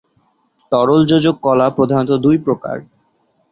তরল যোজক কলা প্রধানত দুই প্রকার।